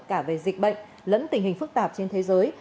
cả về dịch bệnh lẫn tình hình phức tạp trên thế giới